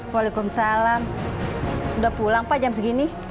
waalaikumsalam udah pulang pak jam segini